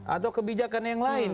atau kebijakan yang lain